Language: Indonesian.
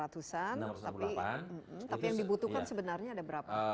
tapi yang dibutuhkan sebenarnya ada berapa